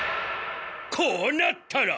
こうなったら。